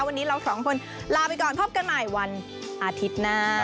วันนี้เราสองคนลาไปก่อนพบกันใหม่วันอาทิตย์หน้า